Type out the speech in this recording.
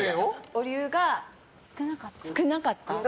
お湯が少なかった。